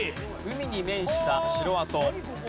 海に面した城跡。